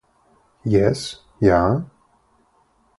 Jes, ja?